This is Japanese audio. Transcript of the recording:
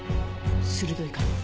鋭いかも。